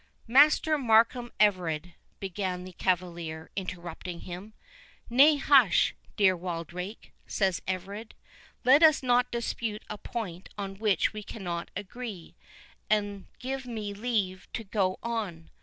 "Master Markham Everard," began the cavalier, interrupting him—"Nay, hush, dear Wildrake," said Everard; "let us not dispute a point on which we cannot agree, and give me leave to go on.